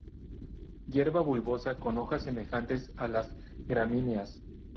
Hierba bulbosa, con hojas semejantes a las gramíneas.